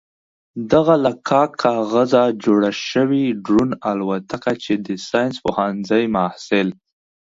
دغه له کاک کاغذه جوړه شوې ډرون الوتکه چې د ساينس پوهنځي محصل